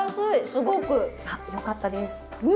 すごく。あっよかったです。